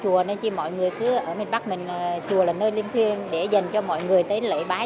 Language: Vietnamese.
chùa nên chỉ mọi người cứ ở bên bắc mình chùa là nơi liên thiên để dành cho mọi người tới lễ bái